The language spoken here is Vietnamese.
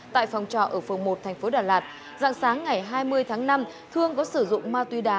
tại phòng trọ ở phường một tp đà lạt giảng sáng ngày hai mươi tháng năm thương có sử dụng ma túy đá